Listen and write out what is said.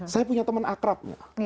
saya punya teman akrab